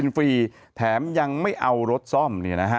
ฟรีแถมยังไม่เอารถซ่อม